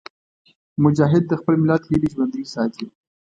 مجاهد د خپل ملت هیلې ژوندي ساتي.